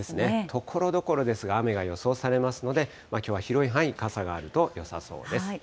ところどころですが雨が予想されますので、きょうは広い範囲、傘があるとよさそうです。